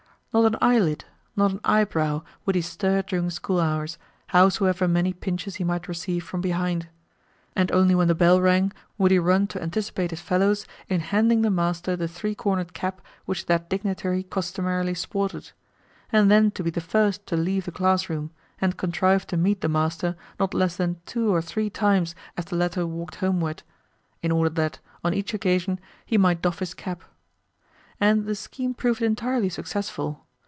Not an eyelid, not an eyebrow, would he stir during school hours, howsoever many pinches he might receive from behind; and only when the bell rang would he run to anticipate his fellows in handing the master the three cornered cap which that dignitary customarily sported, and then to be the first to leave the class room, and contrive to meet the master not less than two or three times as the latter walked homeward, in order that, on each occasion, he might doff his cap. And the scheme proved entirely successful.